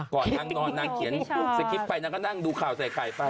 ก่อนนางนอนนางเขียนสคริปต์ไปนางก็นั่งดูข่าวใส่ไข่ไป